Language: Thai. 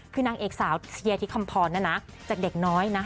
คือนางเอกสาวเชียร์ที่คำพรนะนะจากเด็กน้อยนะ